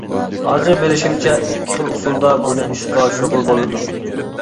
ھازىر بىلىشىمچە ئىككى خىل ئۇسۇلدا بۇنى ئىشقا ئاشۇرغىلى بولىدۇ.